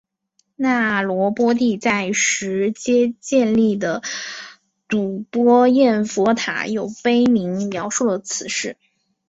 那罗波帝在实皆建立的睹波焰佛塔有碑铭描述了此事。